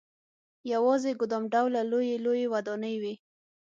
یوازې ګدام ډوله لويې لويې ودانۍ وې.